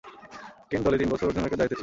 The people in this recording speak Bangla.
কেন্ট দলে তিন বছর অধিনায়কের দায়িত্বে ছিলেন।